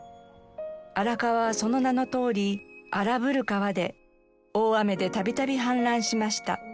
荒川はその名のとおり荒ぶる川で大雨で度々氾濫しました。